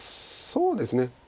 そうですね。